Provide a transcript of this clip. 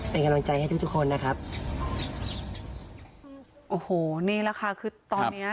เป็นกำลังใจให้ทุกทุกคนนะครับโอ้โหนี่แหละค่ะคือตอนเนี้ย